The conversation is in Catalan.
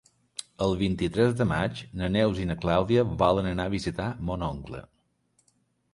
El vint-i-tres de maig na Neus i na Clàudia volen anar a visitar mon oncle.